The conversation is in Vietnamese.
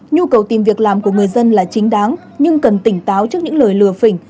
nhu cầu tìm việc làm của người dân là chính đáng nhưng cần tỉnh táo trước những lời lừa phỉnh